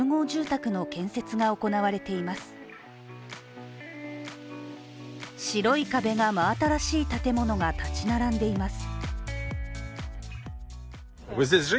白い壁が真新しい建物が建ち並んでいます。